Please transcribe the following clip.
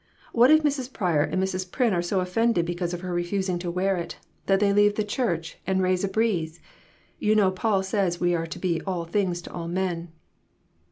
What if Mrs. Pryor and Mrs. Pryn are so offended because of her refusing to wear it that they leave the church and raise a breeze. You know Paul says we are to be all things to all men."